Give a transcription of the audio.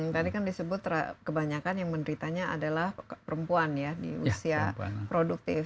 tadi kan disebut kebanyakan yang menderitanya adalah perempuan ya di usia produktif